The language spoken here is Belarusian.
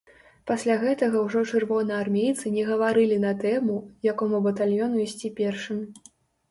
Пасля гэтага ўжо чырвонаармейцы не гаварылі на тэму, якому батальёну ісці першым.